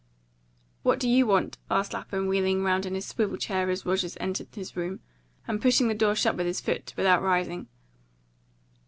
"What do you want?" asked Lapham, wheeling round in his swivel chair as Rogers entered his room, and pushing the door shut with his foot, without rising.